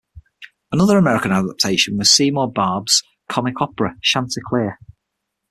Another American adaptation was Seymour Barab's comic opera "Chanticleer".